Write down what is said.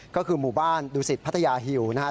ก็คือหมู่บ้านดุสิตพัทยาหิวนะครับ